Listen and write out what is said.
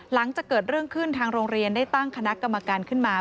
หลังจากเกิดเรื่องขึ้นทางโรงเรียนได้ตั้งคณะกรรมการขึ้นมา